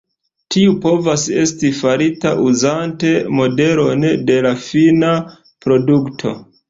Tiu povas esti farita uzante modelon de la fina produkto.